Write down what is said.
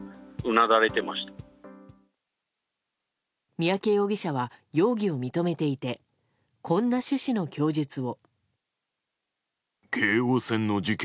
三宅容疑者は容疑を認めていてこんな趣旨の供述を。